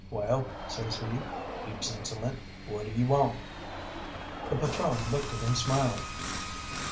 "Well," says he, heaps insolent, "what do you want?" The patrone looked at him smiling.